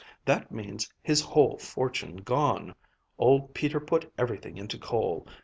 That means his whole fortune gone. Old Peter put everything into coal.